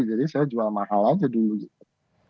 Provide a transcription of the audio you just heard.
saya jual mahal aja dulu gitu